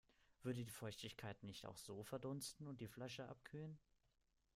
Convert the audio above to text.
Würde die Feuchtigkeit nicht auch so verdunsten und die Flasche abkühlen?